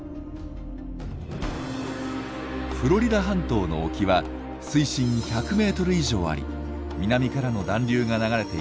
フロリダ半島の沖は水深１００メートル以上あり南からの暖流が流れています。